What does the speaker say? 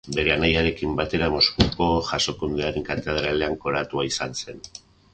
Bere anaiarekin batera, Moskuko Jasokundearen Katedralean koroatua izan zen.